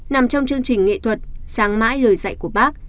nằm trong chương trình nghệ thuật sáng mãi lời dạy của bác